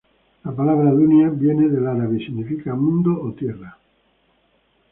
La palabra "Dunia" viene del árabe y significa "mundo" o "tierra".